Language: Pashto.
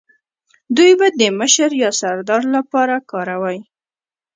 دوی به د مشر یا سردار لپاره کاروی